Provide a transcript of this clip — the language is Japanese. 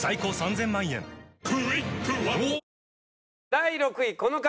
第６位この方。